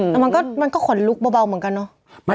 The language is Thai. แต่มันก็ขนลุกเบาเหมือนกันเนอะ